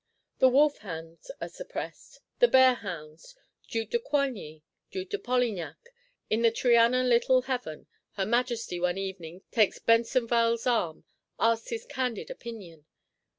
The Wolf hounds are suppressed, the Bear hounds, Duke de Coigny, Duke de Polignac: in the Trianon little heaven, her Majesty, one evening, takes Besenval's arm; asks his candid opinion.